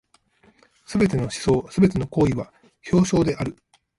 凡すべての思想凡ての行為は表象である。